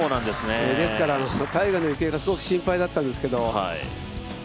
ですからタイガーの行方がすごく心配だったんですけど。